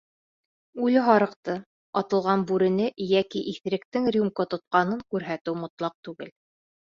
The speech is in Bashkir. Үле һарыҡты, атылған бүрене йәки иҫеректең рюмка тотҡанын күрһәтеү мотлаҡ түгел.